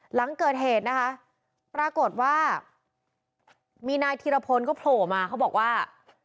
หลังเกิดเหตุนะคะปรากฏว่ามีนายธีรพลก็โผล่มาเขาบอกว่า